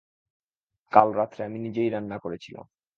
কাল রাত্রে আমি নিজেই রান্না করেছিলাম।